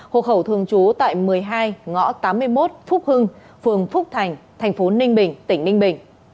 hộ khẩu thường trú tại một mươi hai ngõ tám mươi một phúc hưng phường phúc thành thành phố ninh bình tỉnh ninh bình